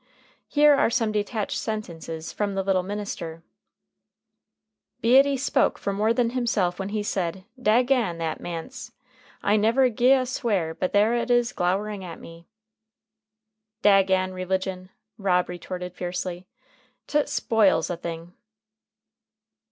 Here are some detached sentences from "The Little Minister:" "Beattie spoke for more than himself when he said: 'Dagon that Manse! I never gie a swear but there it is glowering at me.'" "'Dagon religion,' Rob retorted fiercely; 't spoils a' thing.'"